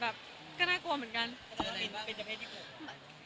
แต่เป็นจะเพศที่เปลี่ยนอะไร